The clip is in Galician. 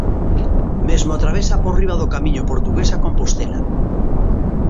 Mesmo atravesa por riba do Camiño portugués a Compostela.